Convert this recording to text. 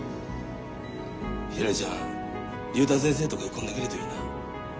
ひらりちゃん竜太先生と結婚できるといいな。